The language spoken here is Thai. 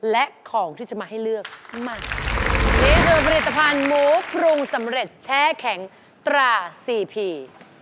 และของที่จะมาให้เลือกมานี่คือผลิตภัณฑ์หมูปรุงสำเร็จแช่แข็งตราซีพี